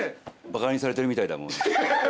バカにされてるみたいだ。